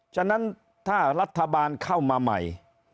ฉะนั้นถ้ารัฐบาลเข้ามาใหม่